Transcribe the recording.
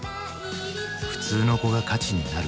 普通の子が価値になる。